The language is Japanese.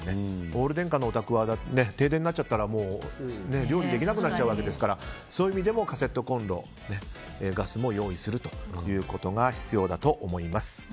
オール電化のお宅は停電になっちゃったら料理できなくなっちゃうわけですからそういう意味でもカセットコンロとガスを用意することが必要だと思います。